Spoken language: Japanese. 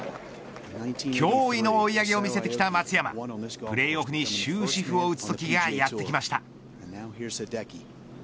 驚異の追い上げを見せてきた松山プレーオフに終止符を打つときがやってきました。